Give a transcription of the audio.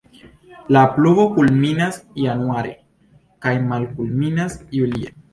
La pluvo kulminas januare kaj malkulminas julie.